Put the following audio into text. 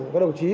các đồng chí